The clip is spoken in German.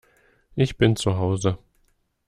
Ich bin zu Hause